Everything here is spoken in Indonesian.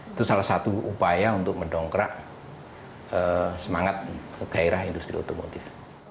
itu salah satu upaya untuk mendongkrak semangat gairah industri otomotif